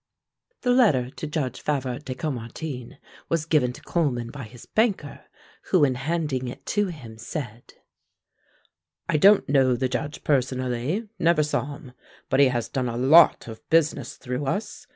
The letter to Judge Favart de Caumartin was given to Coleman by his banker, who in handing it to him said: "I don't know the Judge personally, never saw him; but he has done a lot of business through us.